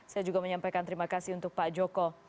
saya juga menyampaikan terima kasih untuk pak joko